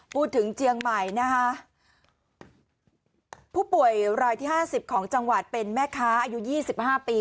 พูดถึงเจียงใหม่นะฮะผู้ป่วยรายที่๕๐ของจังหวัดเป็นแม่ค้าอายุ๒๕ปี